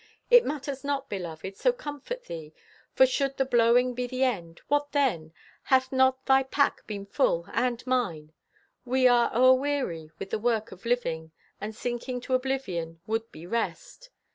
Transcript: It matters not, beloved, so comfort thee. For should the blowing be the end, what then? Hath not thy pack been full, and mine? We are o'erweary with the work of living, and sinking to oblivion would be rest.